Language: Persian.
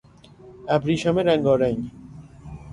ابریشم رنگارنگ